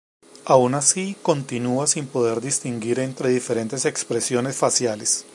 Aun así continúa sin poder distinguir entre diferentes expresiones faciales.